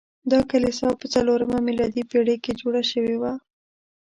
دا کلیسا په څلورمه میلادي پیړۍ کې جوړه شوې وه.